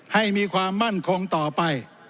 ให้มีความมั่นคงต่อไป